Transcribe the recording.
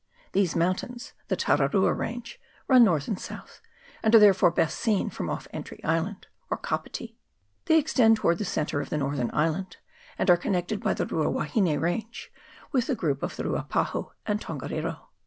These moun tains the Tararua range run north and south, and are therefore best seen from off Entry Island, or Kapiti. They extend towards the centre of the northern island, and are connected, by the Rua Wahine range, with the group of the Ruapahu and Tongariro.